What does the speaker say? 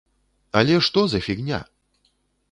Але што за фігня?